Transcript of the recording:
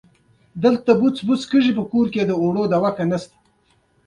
دا درې ورځې زما د ژوند تر ټولو غوره ورځې وې